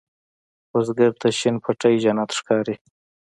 بزګر ته شین پټی جنت ښکاري